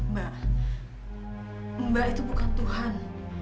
mbak mbak itu bukan tuhan